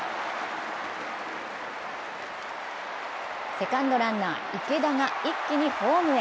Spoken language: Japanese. セカンドランナー・池田が一気にホームへ。